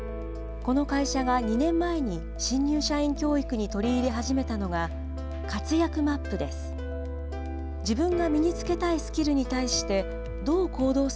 この会社が２年前に、新入社員教育に取り入れ始めたのが、活躍マップです。